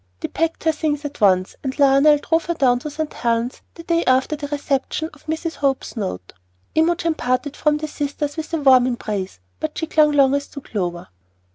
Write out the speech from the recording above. They packed her things at once, and Lionel drove her down to St. Helen's the very day after the reception of Mrs. Hope's note. Imogen parted from the sisters with a warm embrace, but she clung longest to Clover.